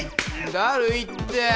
だるいって！